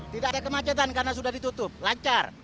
tidak ada kemacetan karena sudah ditutup lancar